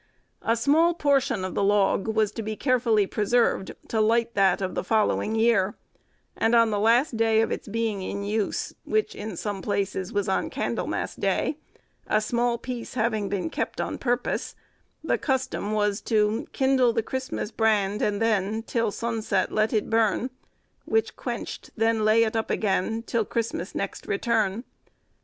A small portion of the log was to be carefully preserved to light that of the following year; and on the last day of its being in use, which, in some places, was on Candlemas Day, a small piece having been kept on purpose, the custom was to— "Kindle the Christmas brand, and then Till sunne set let it burne; Which quencht, then lay it up agen, Till Christmas next returne.